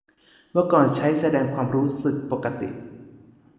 เมื่อก่อนใช้แสดงความรู้สึกปกติ